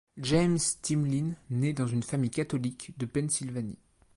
James Timlin naît dans une famille catholique de Pennsylvanie.